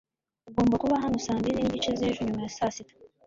Ugomba kuba hano saa mbiri n'igice z'ejo nyuma ya saa sita.